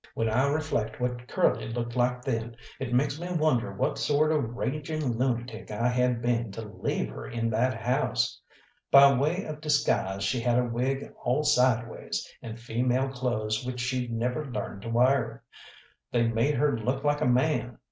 When I reflect what Curly looked like then it makes me wonder what sort of raging lunatic I had been to leave her in that house. By way of disguise she had a wig all sideways, and female clothes which she'd never learned to wear. They made her look like a man.